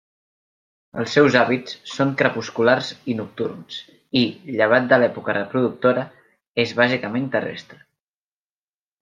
Els seus hàbits són crepusculars i nocturns i, llevat de l'època reproductora, és bàsicament terrestre.